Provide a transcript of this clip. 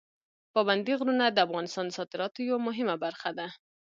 پابندي غرونه د افغانستان د صادراتو یوه مهمه برخه ده.